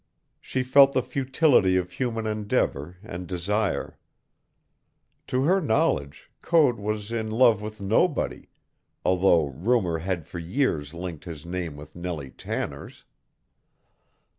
She felt the futility of human endeavor and desire. To her knowledge Code was in love with nobody, although rumor had for years linked his name with Nellie Tanner's.